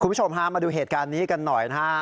คุณผู้ชมมาดูเหตุการณ์นี้หน่อย